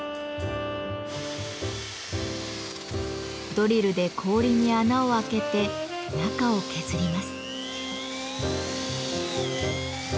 ドリルで氷に穴を開けて中を削ります。